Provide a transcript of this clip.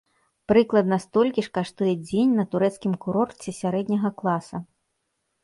Прыкладна столькі ж каштуе дзень на турэцкім курорце сярэдняга класа.